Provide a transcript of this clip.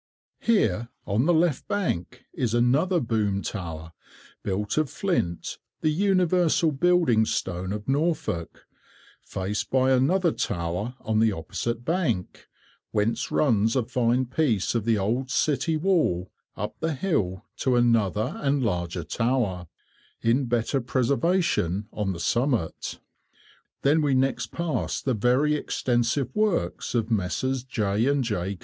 Here, on the left bank, is another Boom Tower, built of flint, the universal building stone of Norfolk, faced by another tower on the opposite bank, whence runs a fine piece of the old city wall up the hill to another and larger tower, in better preservation, on the summit. Then we next passed the very extensive works of Messrs. J. and J.